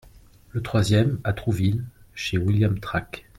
Le troisième, à Trouville, chez William Track.